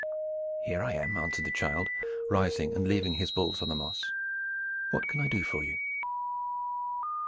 "Here I am," answered the child, rising and leaving his balls on the moss. "What can I do for you?"